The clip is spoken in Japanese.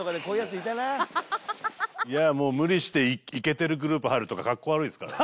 「いやあもう無理してイケてるグループ入るとか格好悪いですからね」